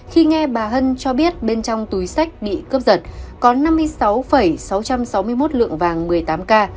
khi nghe bà hân cho biết bên trong túi sách bị cướp giật có năm mươi sáu sáu trăm sáu mươi một lượng vàng một mươi tám k